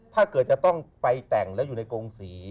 ถ้าเกิดจะต้องไปแต่งแล้วอยู่ในกงศรี